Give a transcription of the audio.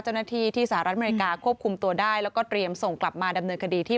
เจ้าหน้าที่ที่สหรัฐอเมริกาควบคุมตัวได้แล้วก็เตรียมส่งกลับมาดำเนินคดีที่